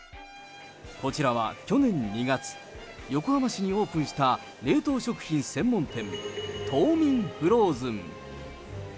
こちらは去年２月、横浜市にオープンした冷凍食品専門店、トーミン・フローズン。